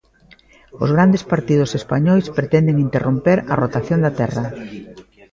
Os grandes partidos españois pretenden interromper a rotación da Terra.